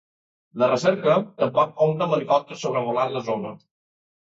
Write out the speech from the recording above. La recerca tampoc compta amb helicòpters sobrevolant la zona.